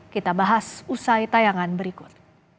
kita bahas usai tayangan berikut